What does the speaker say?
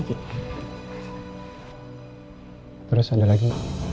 terus ada lagi